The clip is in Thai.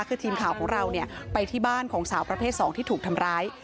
คือทีมข่าวของเราไปที่บ้านของสาวประเภท๒ที่ถูกทำร้าย